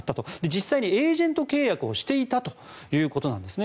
実際にエージェント契約をしていたということなんですね。